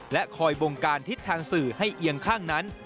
และคอยบงการทิศทางสื่อให้เอียงข้างนั้น